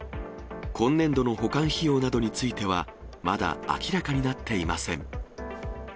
今年度の保管費用などについては、まだ明らかになっていません。